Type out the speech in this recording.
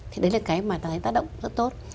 thì đấy là cái mà ta thấy tác động rất tốt